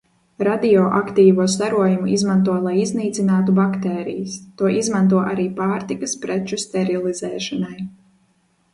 Radioaktīvo starojumu izmanto lai iznīcinātu baktērijas, to izmanto arī pārtikas preču sterilizēšanai.